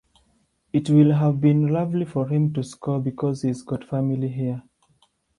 It will have been lovely for him to score because he's got family here.